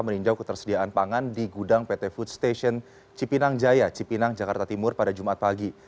meninjau ketersediaan pangan di gudang pt food station cipinang jaya cipinang jakarta timur pada jumat pagi